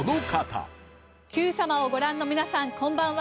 『Ｑさま！！』をご覧の皆さんこんばんは。